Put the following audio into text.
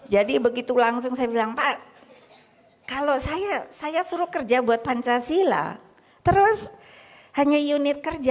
jadi begitu langsung saya bilang pak kalau saya saya suruh kerja buat pancasila terus hanya unit kerja